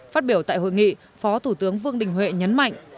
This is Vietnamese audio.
phát biểu tại hội nghị phó thủ tướng vương đình huệ nhấn mạnh